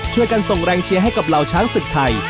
ช่วยกันส่งแรงเชียร์ให้กับเหล่าช้างศึกไทย